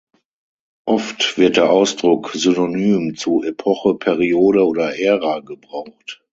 Oft wird der Ausdruck synonym zu "Epoche", "Periode" oder "Ära" gebraucht.